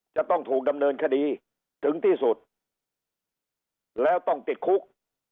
จะต้องถูกดำเนินคดีถึงที่สุดแล้วต้องติดคุก